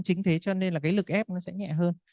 chính thế cho nên là cái lực ép nó sẽ nhẹ hơn